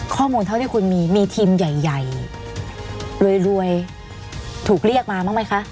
ข้อมูลเท่าที่คุณมีมีทีมใหญ่รวยถูกเรียกมาบ้างไหมคะ